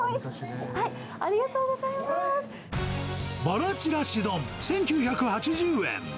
ばらちらし丼１９８０円。